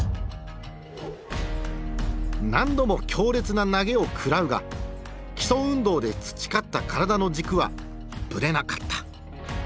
何度も強烈な投げを食らうが基礎運動で培った体の軸はぶれなかった。